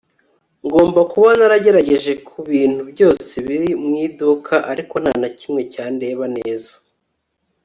ngomba kuba naragerageje kubintu byose biri mu iduka, ariko nta kintu na kimwe cyandeba neza